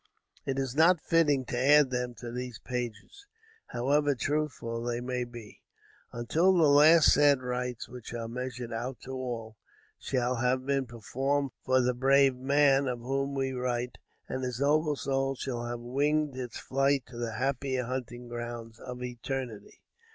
It is not fitting to add them to these pages, however truthful they may be, until the last sad rites which are measured out to all, shall have been performed for the brave man of whom we write, and his noble soul shall have winged its flight to the happier hunting grounds of eternity.